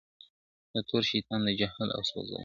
د تور شیطان د جهل او سوځلي `